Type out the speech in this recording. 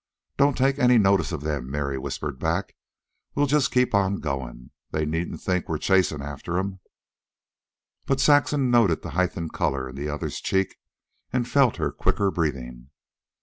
"Don't take any notice of them," Mary whispered back. "We'll just keep on goin'. They needn't think we're chasin' after them." But Saxon noted the heightened color in the other's cheek, and felt her quicker breathing.